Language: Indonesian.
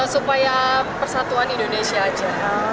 supaya persatuan indonesia aja